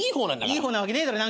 いい方なわけねえだろ。